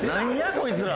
こいつら。